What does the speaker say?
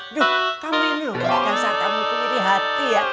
aduh kamu ini loh kerasa kamu tuh miri hati ya